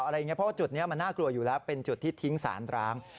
เพราะว่าจุดนี้มันน่ากลัวอยู่แล้วเป็นจุดที่ทิ้งสารร้าง